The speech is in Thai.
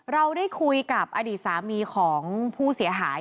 เราได้คุยกับอดีตสามีของผู้เสียหาย